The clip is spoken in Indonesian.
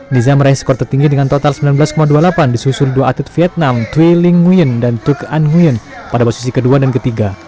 niza meraih skor tertinggi dengan total sembilan belas dua puluh delapan disusul dua atlet vietnam true ling nguyen dan tuk an nguyen pada posisi kedua dan ketiga